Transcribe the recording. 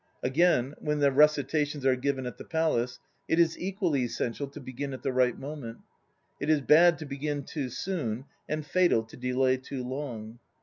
Again, when the recitations are given at the Palace it is equally essential to begin at the right moment. It is bad to begin too soon and fatal to delay too long.